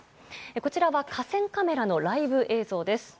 こちらは河川カメラのライブ映像です。